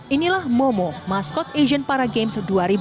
inilah momo maskot asian paragames dua ribu delapan belas